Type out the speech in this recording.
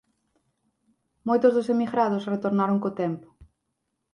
Moitos dos emigrados retornaron co tempo.